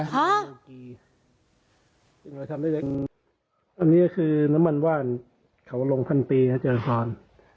อันนี้คือน้ำมันว่านเขาลงพันปีหรือเจริญทรณ